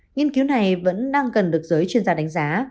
nghiên cứu này vẫn đang cần được giới chuyên gia đánh giá